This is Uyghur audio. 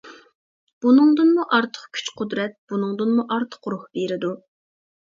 بۇنىڭدىنمۇ ئارتۇق كۈچ-قۇدرەت، بۇنىڭدىنمۇ ئارتۇق روھ بېرىدۇ.